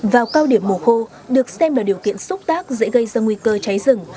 vào cao điểm mùa khô được xem là điều kiện xúc tác dễ gây ra nguy cơ cháy rừng